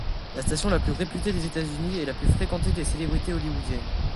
La station la plus réputé des États-Unis et la plus fréquenté des célébrités hollywoodienne.